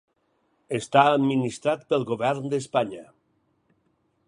Està administrat pel govern d'Espanya.